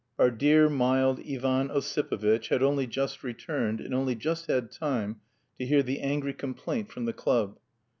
Our dear, mild, Ivan Ossipovitch had only just returned and only just had time to hear the angry complaint from the club.